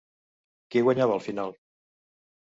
Qui guanyava al final?